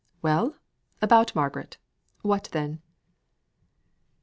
"Well! about Margaret. What then?"